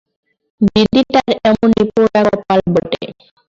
বিন্দিটার এমনি পোড়া কপাল বটে!